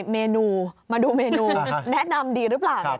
เมนูมาดูเมนูแนะนำดีหรือเปล่า